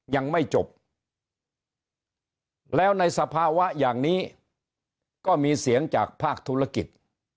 ยังไม่จบแล้วในสภาวะอย่างนี้ก็มีเสียงจากภาคธุรกิจ